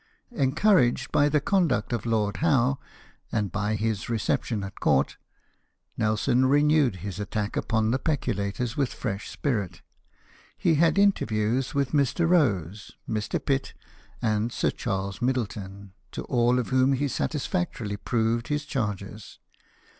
Encouraged by the conduct of Lord Howe, and by his reception at court, Nelson renewed his attack upon the peculators with fresh spirit. He had inter views with Mr. Rose, Mr. Pitt, and Sir Charles 48 LIFE OF NELSON. Middleton, to all of whom he satisfactorily proved his charges.